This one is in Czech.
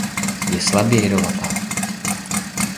Je slabě jedovatá.